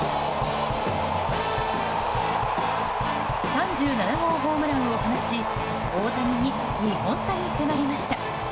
３７号ホームランを放ち大谷に２本差に迫りました。